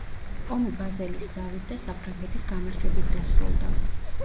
ომი ბაზელის ზავით და საფრანგეთის გამარჯვებით დასრულდა.